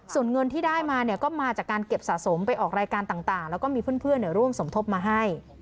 ส่วนเงินที่ได้มาเนี่ยก็มาจากการเก็บสะสมไปออกรายการต่างแล้วก็มีเพื่อนร่วมสมทบมาให้